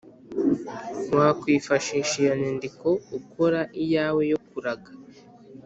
wakwifashisha iyo nyandiko, ukora iyawe yo kuraga,